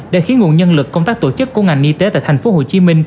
đã khiến nguồn nhân lực công tác tổ chức của ngành y tế tại tp hcm